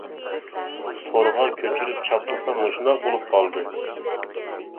تورغا كۆچۈرۈپ چاپلىسام مۇشۇنداق بولۇپ قالدى.